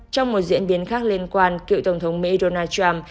trong một diễn biến khác liên quan cựu tổng thống mỹ donald trump